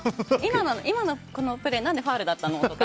今のプレー何でファウルだったの？とか。